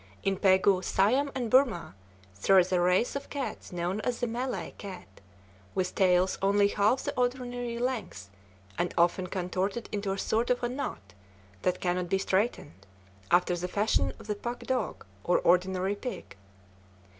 In Pegu, Siam, and Burmah, there is a race of cats known as the Malay cat, with tails only half the ordinary length and often contorted into a sort of a knot that cannot be straightened, after the fashion of the pug dog or ordinary pig.